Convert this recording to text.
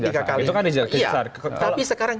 itu kan di jasar tapi sekarang